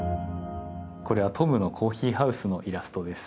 これはトムのコーヒーハウスのイラストです。